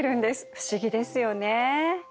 不思議ですよね。